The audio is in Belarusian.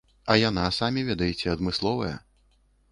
А яна, самі ведаеце, адмысловая.